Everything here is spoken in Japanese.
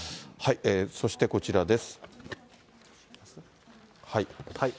そしてこちらです。